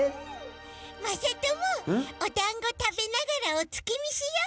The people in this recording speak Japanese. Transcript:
まさともおだんごたべながらおつきみしよう！